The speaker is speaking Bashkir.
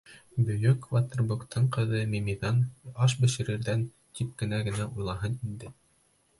Бөйөк Веттербоктың ҡыҙы Мимиҙан аш бешерерҙәр, тип кем генә уйлаһын инде...